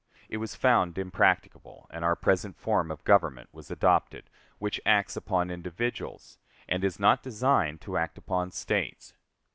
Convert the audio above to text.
It was found impracticable, and our present form of government was adopted, which acts upon individuals, and is not designed to act upon States.